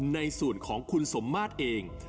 ในส่วนของคุณสมมาตรเอง